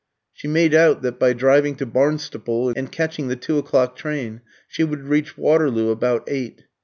She made out that by driving to Barnstaple, and catching the two o'clock train, she would reach Waterloo about eight.